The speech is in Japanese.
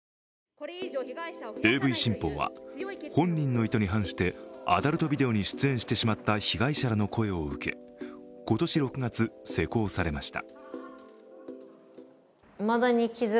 ＡＶ新法は本人の意図に反してアダルトビデオに出演してしまった被害者らの声を受け今年６月、施行されました。